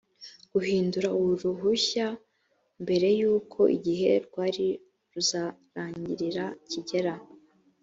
guhindura uruhushya mbere y’uko igihe rwari ruzarangirira kigera